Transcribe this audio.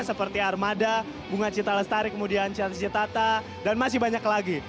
seperti armada bunga cita lestari kemudian cita citata dan masih banyak lagi